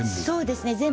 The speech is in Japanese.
そうですね。